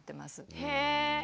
へえ！